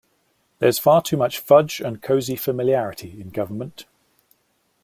There's far too much fudge and cosy familiarity in government.